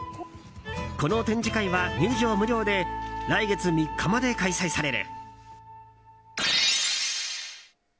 この展示会は入場無料で来月３日まで開催される。